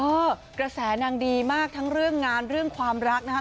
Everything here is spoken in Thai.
กระแสนางดีมากทั้งเรื่องงานเรื่องความรักนะคะ